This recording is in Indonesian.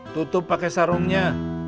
tutup pakai sarungnya